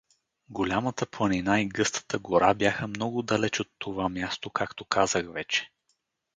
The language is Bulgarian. Голямата планина и гъстата гора бяха много далеч от това място, както казах вече.